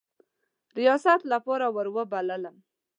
ریاست لپاره وروبللم.